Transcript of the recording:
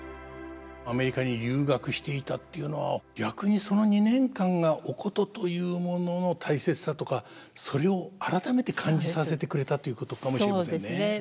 アメリカに留学していたっていうのは逆にその２年間がお箏というものの大切さとかそれを改めて感じさせてくれたということかもしれませんね。